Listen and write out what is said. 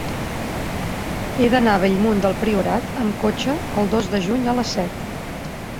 He d'anar a Bellmunt del Priorat amb cotxe el dos de juny a les set.